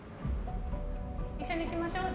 一緒に行きましょう。